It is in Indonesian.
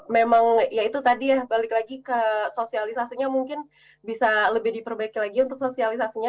memang ya itu tadi ya balik lagi ke sosialisasinya mungkin bisa lebih diperbaiki lagi untuk sosialisasinya